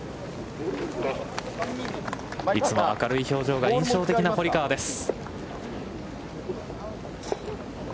いつも明るい表情が印象的な堀川です。